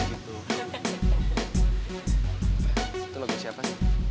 itu lo buat siapa